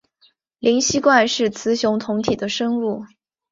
灵吸怪是雌雄同体的生物。